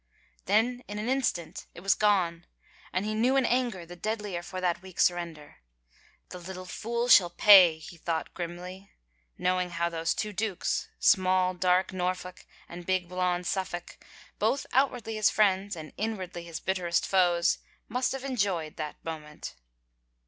Then, in an instant, it was gone, and he knew an anger the deadlier for that weak surrender. " The little fool shall pay," he thought grimly, knowing how those two dukes, small, dark Norfolk and big, blond Suffolk, both outwardly his friends and inwardly his bitterest foes, must have enjoyed that moment.